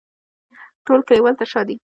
ټول کلیوال تر شا دي.